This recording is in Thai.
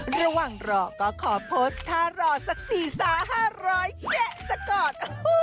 ระหว่างรอก็ขอโพสต์ถ้ารอสักสี่สาหร่อยเช่สะกอด